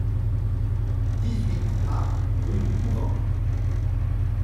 dix-huit A rUE DU COUVENT